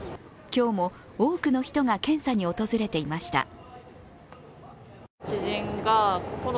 今日も多くの人が検査に訪れていました。